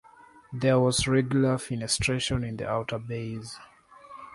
There was regular fenestration in the outer bays.